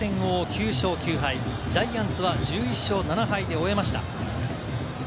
カープは交流戦を９勝９敗、ジャイアンツは１１勝７敗で終えました。